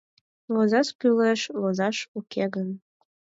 Возаш кӱлеш, возаш, уке гын...